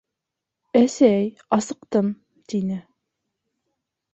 — Әсәй, асыҡтым, — тине.